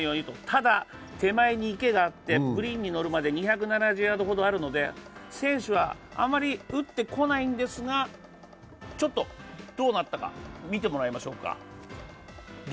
ただ手前に池があってグリーンに乗るまで２７０ヤードほどあるので、選手はあまり打ってこないんですが、ちょっとどうなったか、見てもらいましょうか。